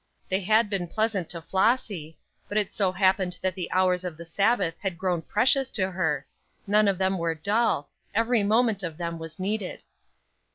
They had been pleasant to Flossy. But it so happened that the hours of the Sabbath had grown precious to her; none of them were dull; every moment of them was needed.